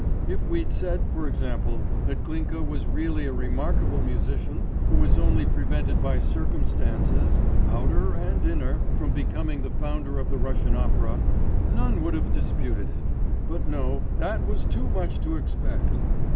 If we'd said, for example, that Glinka was really a remarkable musician, who was only prevented by circumstances outer and inner from becoming the founder of the Russian opera, none would have disputed it; but no, that was too much to expect!